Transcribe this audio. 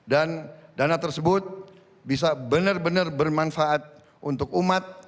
dan dana tersebut bisa benar benar bermanfaat untuk umat